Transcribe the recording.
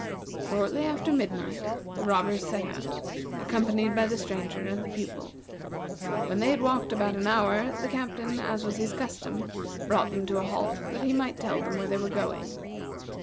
Shortly after midnight the robbers set out, accompanied by the Stranger and the Pupil. When they had walked about an hour, the Captain, as was his custom, brought them to a halt that he might tell them where they were going.